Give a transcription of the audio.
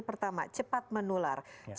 pertama cepat menular